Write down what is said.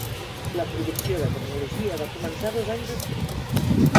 La producció de tecnologia va començar dos anys després.